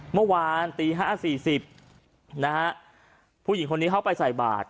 เมื่อวานตี๕๔๐นะฮะผู้หญิงคนนี้เข้าไปใส่บาท